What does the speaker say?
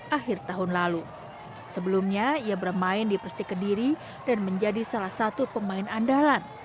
akhir tahun lalu sebelumnya ia bermain di persik kediri dan menjadi salah satu pemain andalan